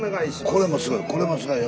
これもすごいよ！